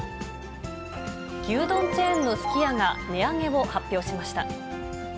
牛丼チェーンのすき家が値上げを発表しました。